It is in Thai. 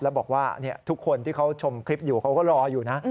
แล้วบอกว่าทุกคนที่เขาชมคลิปอยู่เขาก็รออยู่นะ